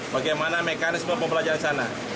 bagaimana mekanisme pembelajaran sana